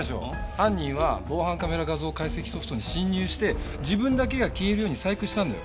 犯人は防犯カメラ画像解析ソフトに侵入して自分だけが消えるように細工したんだよ。